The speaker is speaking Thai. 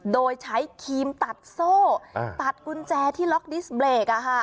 โดยใช้ครีมตัดโซ่ตัดกุญแจที่ล็อกดิสเบรก